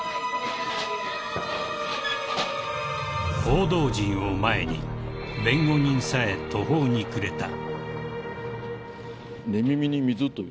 ［報道陣を前に弁護人さえ途方に暮れた］